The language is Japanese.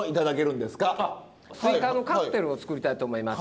すいかのカクテルを作りたいと思います。